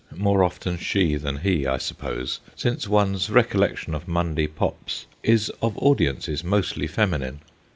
More often she than he, I suppose, since one's recollection of Monday Pops is of audiences mostly feminine.